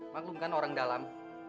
maklum kan orang dalam